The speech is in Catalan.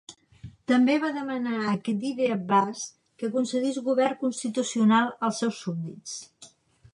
També va demanar a Khedive Abbas que concedís govern constitucional als seus súbdits.